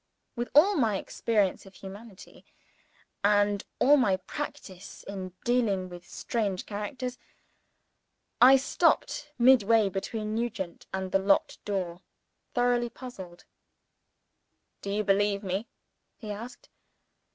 With all my experience of humanity, and all my practice in dealing with strange characters, I stopped mid way between Nugent and the locked door, thoroughly puzzled. "Do you believe me?" he asked.